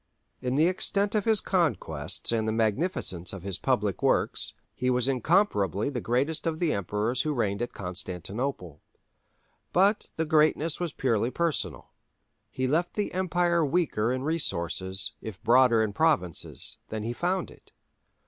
In the extent of his conquests and the magnificence of his public works, he was incomparably the greatest of the emperors who reigned at Constantinople. But the greatness was purely personal: he left the empire weaker in resources, if broader in provinces, than he found it.